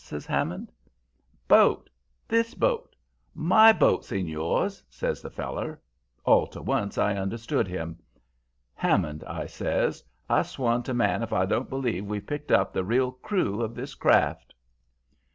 says Hammond. "'Boat! This boat! My boat, senors,' says the feller. All to once I understood him. "'Hammond,' I says, 'I swan to man if I don't believe we've picked up the real crew of this craft!'